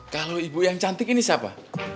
kalau ibu yang cantik ini siapa